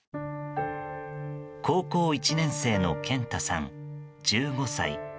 高校１年生の健太さん、１５歳。